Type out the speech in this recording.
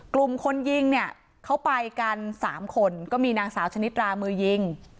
กลุ่มคนยิงเนี่ยเขาไปกัน๓คนก็มีนางสาวชนิดรามือยิง